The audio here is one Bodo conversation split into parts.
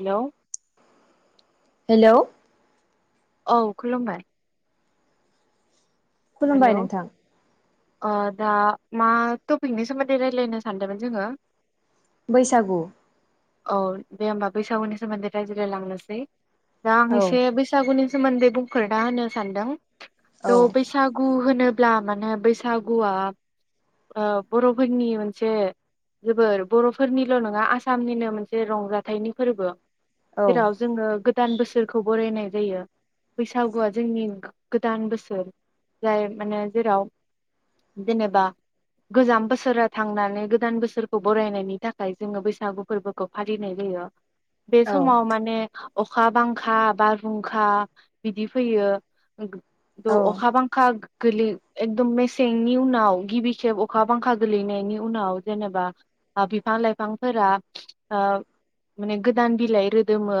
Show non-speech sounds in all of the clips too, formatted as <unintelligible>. हेलौ'। हेलौ'। औ खुलुमबाय। खुलुमबाय हेलौ' नोंथां ओ दा मा टपिकनि सोमोन्दै रायलायनो सानदोंमोन जोङो? बैसागु। औ दे होमबा बैसागुनि सोमोन्दै रायज्लायलांनोसै। दां औ एसे बैसागुनि सोमोन्दै बुंफोरना होनो सानदों। औ। गु होनोब्ला मानो बैसागुआ ओ बर'फोरनि मोनसे जोबोर बर'फोरनिल' नङा आसामनिनो मोनसे रंजाथाइनि फोरबो। औ जेराव जोङो गोदान बोसोरखौ बरायनाय जायो बैसागुआ जोंनि गो-गोदान बोसोर। जाय माने जेराव जेनेबा गोजाम बोसोरा थांनानै गोदान बोसोरखौ बरायनायनि थाखाय जोङो बैसागु फोरबोखौ फालिनाय जायो। बे औ समाव माने अखा बांखा बारहुंखा बिदि फैयो औ। खा गोलै एकदम मेसेंनि उनाव गिबि खेब अखा बांखा गोलैनायनि उनाव जेनेबा बिफां लाइफांफोरा ओ माने गोदान बिलाइ रोदोमो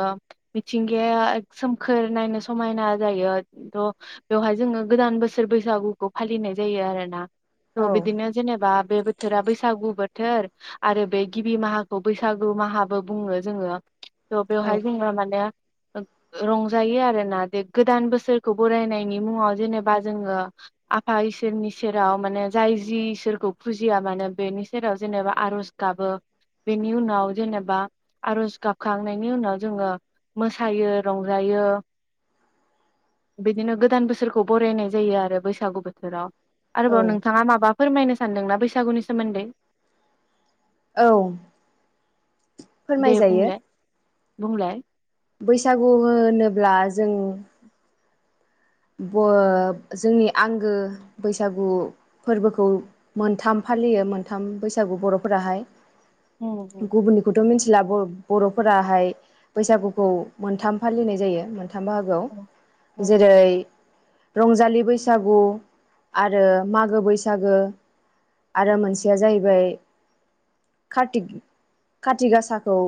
मिथिंगाया सोमखोर नायनो समायना जायो थह' बेवहाय जोङो गोदान बोसोर बैसागुखौ फालिनाय जायो आरोना। औ थ' बिदिनो जेनेबा बे बोथोरा बैसागु बो थोर आरो बे गिबि माहाखौ बैसागु माहाबो बुङो जोङो। थ' बेवहाय जोंना माने रंजायो आरोना बेे गोदान बोसोरखौ बरायनायनि मुङाव जेने बा जोङो आफा इसोरनि सेराव माने जाय जि इसोरखौ फुजिया मानो बेनि सेराव जेनेबा आर'ज गाबो बेनि उनाव जेनेबा आर'ज गाबखांनायनि उनाव जोङो मोसायो रंजायो बिदिनो गोदान बोसोरखौ। बरायनाय जायो आरो बैसागु बोथोराव। औ आरोबाव नोंथाङा माबा फोरमायनो सानदोंना बैसागुनि सोमोन्दै। औ। दे फोरमाय जायो। बुंलाय बुंलाय। बैसागु होनोब्ला जों <unintelligible> जोंनि आंगो बैसागु फोरबोखौ मोनथाम फालियो मोनथाम बैसागु बर'फोराहाय। उम उम गुबुननिखौथ' मिथि <unintelligible> बर'फोराहाय बैसागुखौ मोनथाम फालिनाय जायो। थाम बाहागोआव औ नंगौ जेरै रंजालि बैसागु आरो मागो बैसागो आरो मोनसेया जाहैबाय कारति किति गासाखौ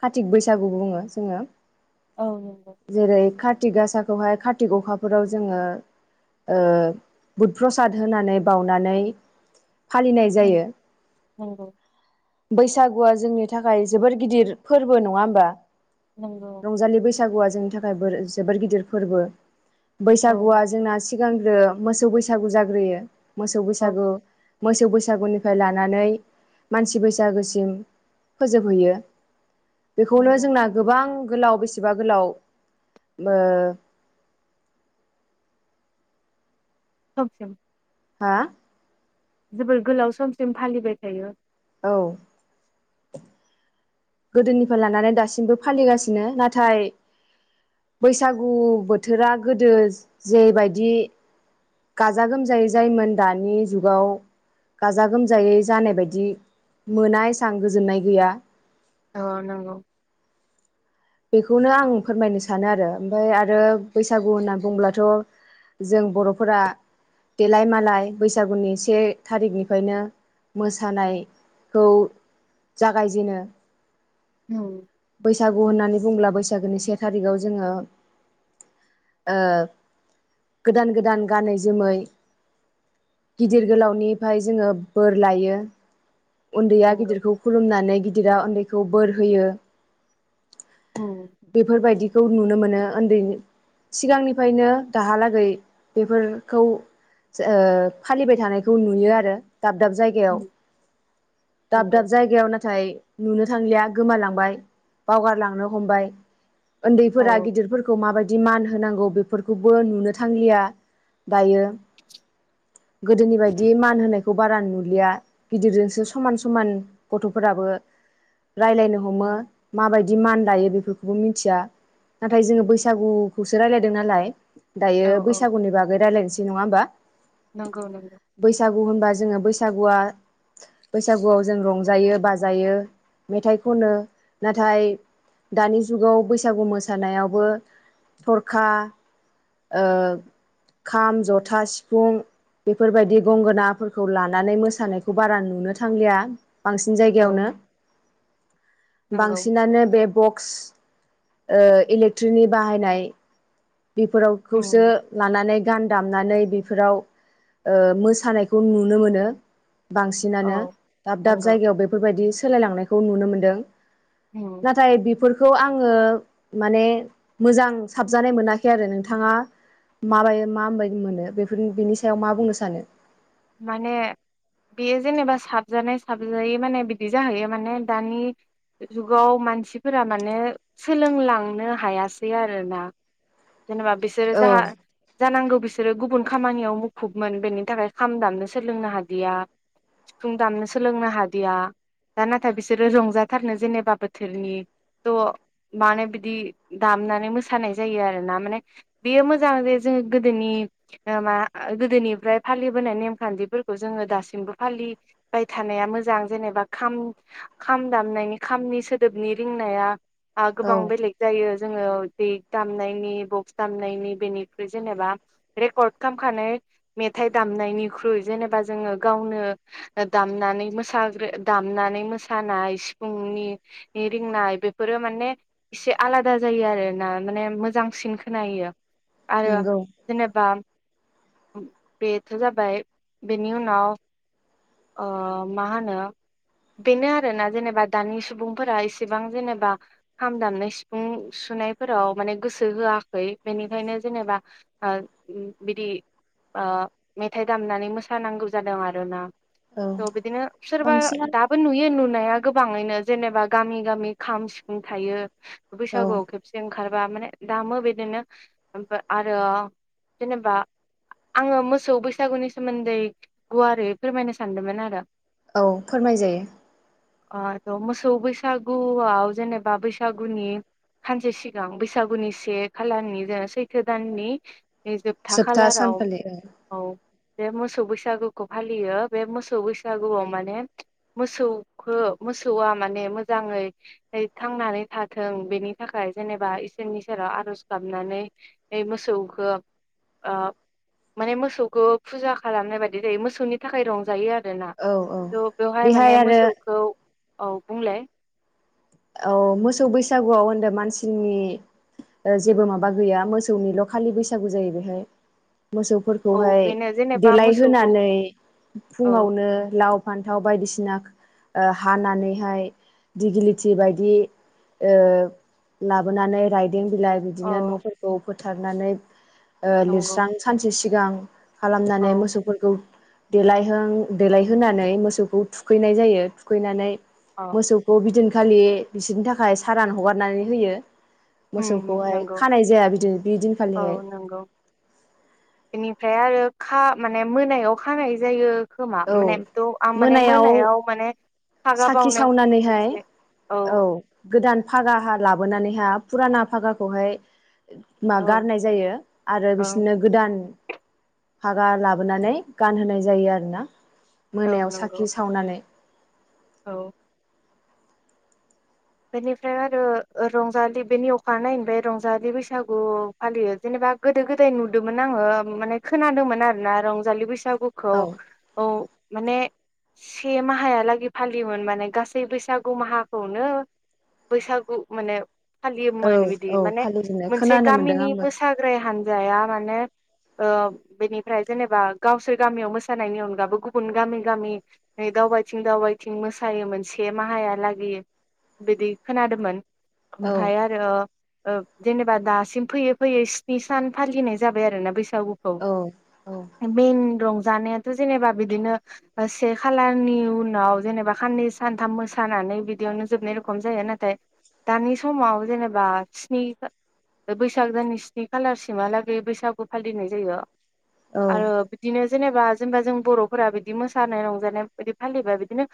कातिक बैसागु बुङो जोङो। औ नंगौ जेरै थि गासाखौहाय खा थि अखाफोराव जोङो ओ बुध प्रसाद होनानै बाउनानै फालिनाय जायो। नंगौ बैसागुआ जोंनि थाखाय जोबोर गिदिर फोरबो नङा होमबा। नोंगौ रंजालि बैसागुआ जोंनि थाखाय जोबोर गिदिर फोरबो औ बैसागुआ जोंना सिगांग्रो मोसौ बैसागु जाग्रोयो मोसौ औ बैसागु मोसौ बैसागुनिफ्राय लानानै मानसि बैसागोसिम फोजोबहैयो बेखौनो नंगौ जोंना गोबां गोलाव बेसेबा गोलाव ओ समसिम हा जोबोर गोलाव समसिम फालिबाय थायो औ गोदोनिफ्राय लानानै दासिमबो फालिगासिनो नाथाय बैसागु बोथोरा गोदो जेबायदि गाजा गोमजायै जायोमोन दानि जुगाव गाजा गोमजायै जानाय बायदि मोनासां गोजोननाय गैया औ नंगौ बेखौनो आं फोरमायनो सानो आरो ओमफफ्राय आरो बैसागु होनना बुंङोब्लाथ' जों बर'फोरा देलाय मालाय बैसागुनि से थारिखनिफ्रायनो मोसानायखौ जागायजेनो औ बैसागु होननानै बुंब्ला बैसागोनि से थारिखाव जोङो ओ गोदान गोदान गानै जोमै गिदिर गोलावनिफ्राय जोङो बोर लायो उन्दैया नंगौ गिदिरखौ खुलुमनानै गिदिरा उन्दैखौ बोर होयो उम बेफोरबायदि खौ नुनो मोनो उन्दै सिगांनिफ्रायनो दाहालागै बेफोरखौ जाफालिबाय थानायखौ नुयो आरो दाब दाब जायगायाव उम दाब नंगौ दाब जायगायाव नाथाय नुनो थांलिया गोमालांबाय बावगारलांनो हम्बाइ औ उन्दैफोरा गिदिरफोरखौ माबायदि मान हो होनांगौ बेफोरखौबो नुनो थांलिया दायो गोदोनि बायदि मान होनाय खौ बारा नुलिया गिदिरजोंसो समान समान गथफोराबो रायलायनो हमो माबायदि मान लायो बेफोरखौबो मिथिया नाथाय जोङो बैसागुखौ जों रायलायदों नालाय दायो औ औ बैसागुनि बागै रायलायनोसै नङा होमबा नंगौ नंगौ बैसागु होनबा जोङो बैसागुआ बैसागुआव जों रंजायो बाजायो मेथाइ खनो नाथाय दानि जुगाव बैसागु मोसानायावबो थरखा ओ खाम जथा सिफुं बेफोरबायदि गंगोनाफोरखौ लानानै मोसानायखौ बारा नुनो थांलिया बांसिन औ जायगायावनो नंगौ बांसिनानो बे बक <inaudible> ओ इलेक्ट्रिनि बाहायनाय बेफोरावखौसो उम लानानै गान दामनानै बेफोराव ओ मोसानायखौ नुनो मोनो औ बांसिनानो दाब दाब नंगौ जायगायाव बेफोरबायदि सोलायलांनायखौ नुनो मोनदों उम नाथाय बि फोरखौ आङो माने मोजां साबजानाय मोनाखै खै आरो नोंथाङा माबाय मााबायदि मोनो बेफोर बेनि सायाव मा बुंनो सानो माने बेयो जेनेबा साबजानाय साबजायै माने बिदि जाहैयो माने दानि जुगाव मानसिफोरा माने सोलोंलांनो हायासै आरोना जेनेबा बिसोरो औ जाहा जानांगौ बिसोर सोरो गुबुन खामानियाव मुखुबमोन बेनि थाखाय खाम दामनो सोलोंनो हादिया सिफुं दामनो सोलोंनो हादिया दा नाथाय बिसोरो रंजाथारनो जेनेबा बोथोरनि थ' मानो बिदि दामनानै मोसानाय जायो आरोना माने बेयो मोजां जे जोङो गोदोनि मा गोदोनिफ्राय फालि बोनाय नेमखान्थिफोरखौ जोङो दासिमबो फालिबाय थानाया मोजां जेनेबा खाम खाम दामनायनि खामनि सोदोबनि रिंनाया आ औ गोबां बेलेग जायो जोङो देग दामनायनि बक्स दामनायनि बेनिख्रु जेनेबा रेकर्ड खालामखानाय मेथाइ दामनायनिख्रुइ जेनेबा जोङो गावनो दामनानै मोसाग्रो दामनानै मोसानाय सिफुंनि रिंनाय बेफोरो माने एसे आलादा जायो आरोना माने मोजांसिन खोनायो आरो नंगौ जेनेबा बे थ' जाबाय बेनि उनाव मा ओ होनो बेनो आरोना जेनेबा दानि सुबुंफोरा एसेबां जेनेबा खाम दामनाय सिफुं सुनायफोराव माने गोसो होआखै बेनिखायनो जेनेबा बिदि ओ मेथाइ दामनानै मोसानांगौ जादों आरोना औ थ' बेदिनो सोरबा बांसिनानो दाबो नुयो नुनाया गोबाङैनो जेनेबा गामि गामि खाम सिफुं थायो औ बैसागुआव खेबसे ओंखार बा माने दामो बिदिनो आरो जेनेबा आङो मो मोसौ बैसागुनि सोमोन्दै गुवारै फोरमायनो सानदोंमोन आरो औ फोरमाय जायो अ थ' मोसौ बैसागुआव जेनेबा बैसागुनि सानसे सिगां बैसागुनि से खालनि जेन सैथो दाननि जोबथा जोप्ता खालाराव सानखालि औ बे मोसौ बैसागुखौ फालियो बे मोसौ बैसागुआव माने मोसौखौ मोसौआ माने मोजाङै थांनानै थाथों बेनि थाखाय जेनेबा इसोरनि सेराव आरज गाबनानै बे मोसौखौ ओ माने मोसौखौ फुजा खालामनाय बादि जायो मोसौनि थाखाय रंजायो आरो आरोना औ औ थ' बेवहाय बेहाय माने आरो मोसौखौ औ बुंलाय? औ मोसौ बैसागुआव होनदों मानसिनि जेबो माबा गैया मोसौनिल' खालि बैसागु जायो बेहाय औ मोसौफोरखौहाय बेनो जेनेबा देलाय मोसौखौ होनोनानै औ फुङावनो लाव फान्थाव बायदिसिना ना हानानैहाय दिगलि थि बायदि ओ लाबोनानै दें बिलाइ बिदिनो औ न'फोरखौ फोथारनानै ओ नंगौ लिरस्रां सानसे सि सिगां औ खालामनानै मोसौफोरखौ देलायहां देलायहोनानै मोसौखौ थुखैनाय जायो थुखैनानै औ मोसौखौ बिदिन खालि बिसोरनि थाखाय सारान हगारनानै होयो उम मोसौखौहाय नंगौ खानाय जाया बिदि बे औ दिनखालिहाय ओमफ्राय आरो खा माने मोनायाव खानाय जायो खोमा औ माने थ आं माने मोनायाव माने फागा साखि बावनायनि सावनानैहाय मोनसे औ गोदान फागा हा लाबोनानै हा फुराना फागाखौहाय मा औ गारनाय जायो आरो ओं बिसोरनो गोदान हागा लाबोनानै गानहोनाय जायो आरोना औ मोनायाव नंगौ साखि सावनानै औ बेनिफ्राय आरो ओ रंजालि बेनि अखा नायैनिफ्राय रंजालि बैसागु फालियो जेनेबा गोदो गोदाय नुदोंमोन आङो माने खोनादोंमोन आरोना रंजालि बैसा गुखौ औ औ माने से माहायालागै फालियोमोन माने गासै बैसागु माहाखौनो बैसागु माने औ फालियोमोन बिदि औ माने फालिजोबनाय मोनसे खोनानो मोनदों गामिनि आंबो मोसाग्राय हानजाया मान माने ओ बेनिफ्राय जेनेबा गावसोर गामियाव मोसानायनि अनगाबो गुबुन गामि गामि दावबायथिं दावबायथिं मोसायोमोन से माहायालागै बिदि खोनादोंमोन औ ओमफाय आरो ओ जेनेबा दासिम फैयै फैयै स्नि सान फालिनाय जाबाय आरो ना बैस औ - औ औ मेन <unintelligible> जानायाथ जेनेबा बिदिनो ओ से खालारनि उनाव जेनेबा खाननै सानथाम मोसानानै बिदियावनो जोबनाय खम जाया नाथाय दानि समाव जेनेबा स्नि बैसागोनि स्नि खालारसिमहालागै बैसागु फालिनाय जायो औ आरो बिदिनो जेनेबा जेनेबा जों बरफोरा बिदि मोसानाय रंजानाय बिदि फालिबा बिदिनो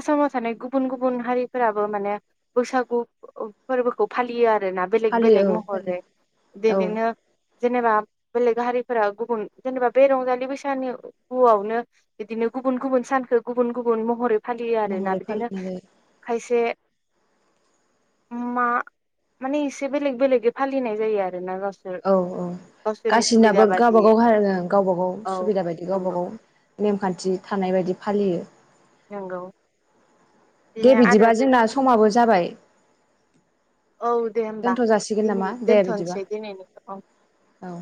आसामाव थानाय गुबुन गुबुन हारिफोराबो माने बैसागु फोरबोखौ फालियो आ रोना बेलेग फालियो बेलेग औ महरै फालियो औ बिदिनो जेनेबा बेलेग हारिफोरा गुबुन जेनेबा बे रंजालि बैसानि गुुआवनो बिदिनो गुबुन गुबुन सानखो गुबुन गुबुन महरै फालियो आरो ना महरै बिदिनो फालिनाय जायो खायसे मा माने एसे बेलेग बेलेगै फालिनाय जायो आरोना गाव औ औ गासिबनाबो बादियै गावबागाव खालामदों गावबा गाव औ सुबिदा बायदि गावबा नंगौ गाव नेमखान्थि थानाय बायदि फालियो। नोंगौ। दे बिदिबा जोंना समाबो जाबाय। औ दे होमबा दोनथ' जासिगोन दिनै नामा दे बिदिबा दोनथ'नोसै दिनैनिखौ औ। औ।